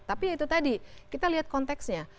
tapi ya itu tadi kita lihat konteksnya